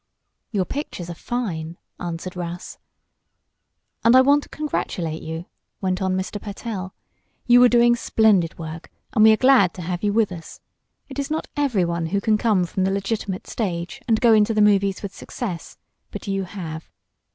"Your pictures are fine," answered Ross. "And I want to congratulate you," went on Mr. Pertell. "You are doing splendid work, and we are glad to have you with us. It is not everyone who can come from the legitimate stage and go into the movies with success; but you have."